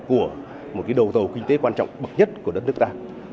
của một đầu tàu kinh tế quan trọng bậc nhất của đất nước ta